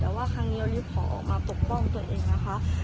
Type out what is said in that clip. แต่ว่าครั้งนี้เรายิบขอออกมาปกป้องตัวเองนะคะ